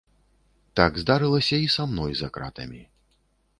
Так здарылася і са мной за кратамі.